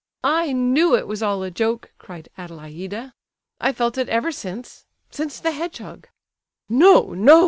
"I knew it was all a joke!" cried Adelaida. "I felt it ever since—since the hedgehog." "No, no!